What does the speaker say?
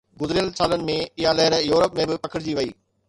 گذريل سالن ۾، اها لهر يورپ ۾ به پکڙجي وئي.